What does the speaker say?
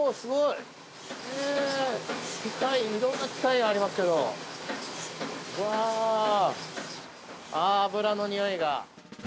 いろんな機械がありますけど、油のにおいが。